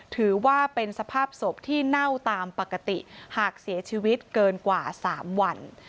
ถือว่าเป็นสภาพศพที่เน่าตามปกติหากเสียชีวิตเกินกว่า๓วัน